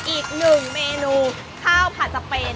อีกหนึ่งเมนูข้าวผัดสเปนใส่น้ำมัน